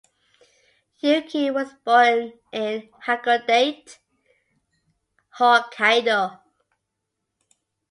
Yuki was born in Hakodate, Hokkaido.